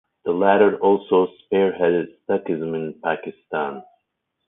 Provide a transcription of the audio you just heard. The latter also spearheaded Stuckism in Pakistan.